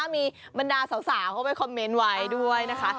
มีบรรดาสาวเข้าไปคอมเมนต์ไว้ด้วยนะคะ